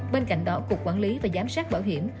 bên cạnh đó cục quản lý và giám sát bảo hiểm